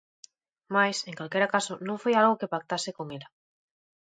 Mais, en calquera caso, non foi algo que pactase con ela.